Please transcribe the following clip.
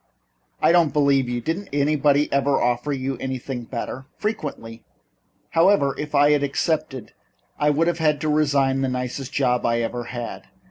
"I don't believe you. Didn't anybody ever offer you something better?" "Frequently. However, if I had accepted I would have had to resign the nicest job I ever had.